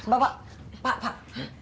bapak pak pak